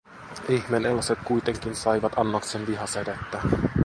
Ihmeneloset kuitenkin saivat annoksen Viha-sädettä